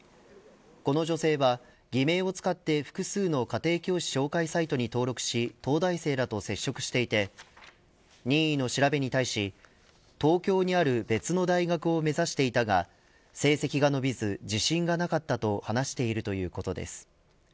この女性は偽名を使って複数の家庭教師紹介サイトに登録し東大生らと接触していて任意の調べに対し東京にある別の大学を目指していたが成績が伸びず自信がなかったと話しているということです。